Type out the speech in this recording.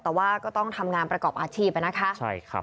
แต่ว่าก็ต้องทำงานประกอบอาชีพนะคะ